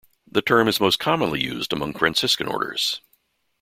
The term is most commonly used among Franciscan Orders.